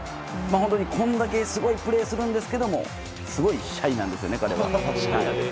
本当にこれだけすごいプレーするんですけどすごいシャイなんですよね、彼は。